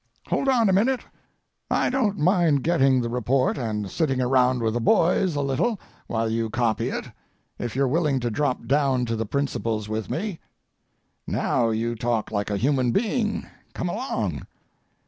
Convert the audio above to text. "Hold on a minute. I don't mind getting the report and sitting around with the boys a little while you copy it, if you're willing to drop down to the principal's with me." "Now you talk like a human being. Come along."